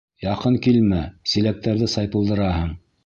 — Яҡын килмә, силәктәрҙе сайпылдыраһың.